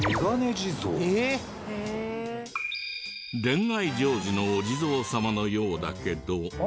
恋愛成就のお地蔵様のようだけど。